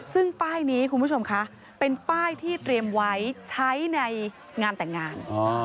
ซึ่งป้ายนี้คุณผู้ชมคะเป็นป้ายที่เตรียมไว้ใช้ในงานแต่งงาน